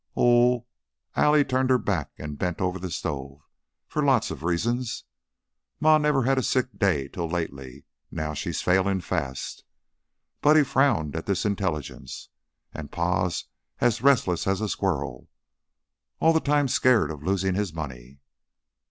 "Oh" Allie turned her back and bent over the stove "for lots of reasons! Ma never had a sick day till lately. Now she's failin' fast." Buddy frowned at this intelligence. "And Pa's as restless as a squirrel. All the time scared of losing his money."